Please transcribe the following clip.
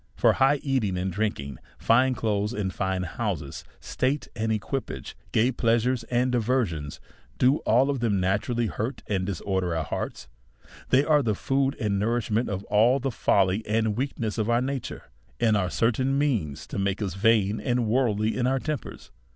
For high eating and drinking, fine clothes, and line houses, state and equipages, gay pleasures and diversions, do all of them naturally hurt and disorder our hearts ; they are the food and nou I'ishment of all the folly and weakness of our nature,, and are certain means to make us vain and worldly in our tempers.